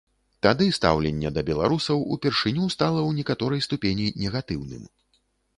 Тады стаўленне да беларусаў упершыню стала ў некаторай ступені негатыўным.